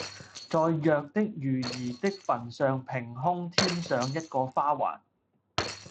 在《藥》的瑜兒的墳上平空添上一個花環，